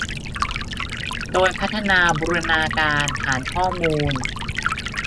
โดยพัฒนาบูรณาการฐานข้อมูล